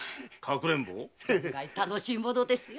楽しいものですよ